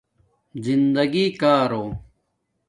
زندگݵ کارو